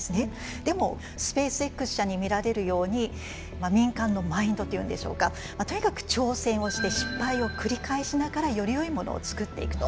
でもスペースＸ社に見られるように民間のマインドというんでしょうかとにかく挑戦をして失敗を繰り返しながらよりよいものを作っていくと。